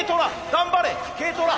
頑張れＫトラ！